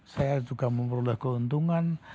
saya juga memperoleh keuntungan